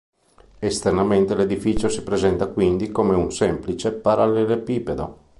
Esternamente l'edificio si presenta quindi come un semplice parallelepipedo.